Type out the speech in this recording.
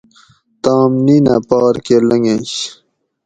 تام نِینہ پار کہ لنگنش